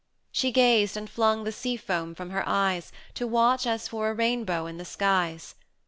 She gazed, and flung the sea foam from her eyes, To watch as for a rainbow in the skies.